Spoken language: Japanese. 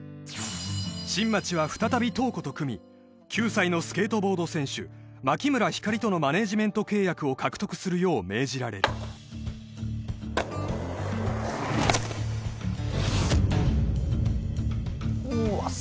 新町は再び塔子と組み９歳のスケートボード選手牧村ひかりとのマネジメント契約を獲得するよう命じられるうわっ